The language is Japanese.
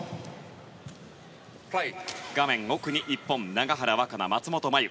画面奥に日本の永原和可那、松本麻佑。